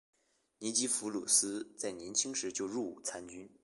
尼基弗鲁斯在年轻时就入伍参军。